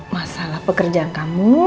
masalah pekerjaan kamu